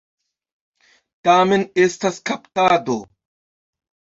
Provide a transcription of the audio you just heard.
Tamen estas kaptado.